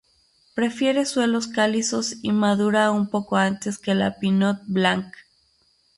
Prefiere suelos calizos, y madura un poco antes que la pinot blanc.